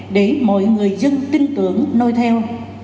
để mọi người dân tin tưởng nôi theo